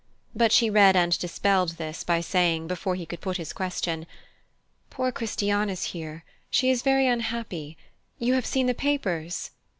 But she read and dispelled this by saying, before he could put his question: "Poor Christiane is here. She is very unhappy. You have seen in the papers